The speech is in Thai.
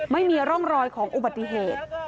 ไม่มีร่องรอยของอุบัติเหตุ